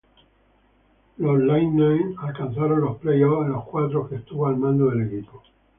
Los Lightning alcanzaron los playoffs en los cuatro que estuvo al mando del equipo.